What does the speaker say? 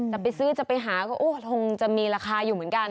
จะไปซื้อจะไปหาก็คงจะมีราคาอยู่เหมือนกัน